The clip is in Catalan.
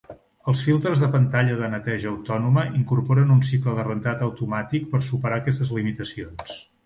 Els filtres de pantalla de neteja autònoma incorporen un cicle de rentat automàtic per superar aquestes limitacions.